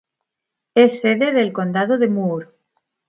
Es sede del condado de Moore.